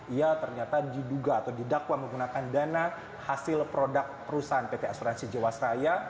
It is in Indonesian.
ia ternyata diduga atau didakwa menggunakan dana hasil produk perusahaan pt asuransi jawa seraya